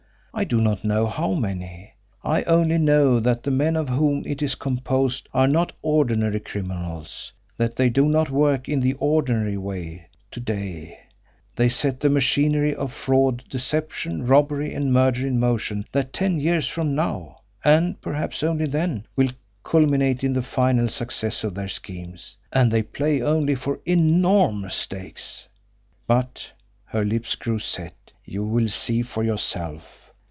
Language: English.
I do not know how many. I only know that the men of whom it is composed are not ordinary criminals, that they do not work in the ordinary way to day, they set the machinery of fraud, deception, robbery, and murder in motion that ten years from now, and, perhaps, only then, will culminate in the final success of their schemes and they play only for enormous stakes. But" her lips grew set "you will see for yourself.